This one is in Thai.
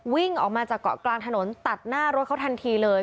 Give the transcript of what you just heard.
วิ่งออกมาจากเกาะกลางถนนตัดหน้ารถเขาทันทีเลย